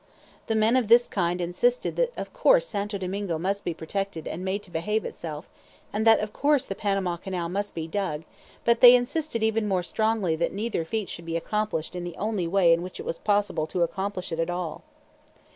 The men of this kind insisted that of course Santo Domingo must be protected and made to behave itself, and that of course the Panama Canal must be dug; but they insisted even more strongly that neither feat should be accomplished in the only way in which it was possible to accomplish it at all.